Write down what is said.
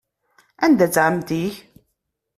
Anda-tt ɛemmti-k?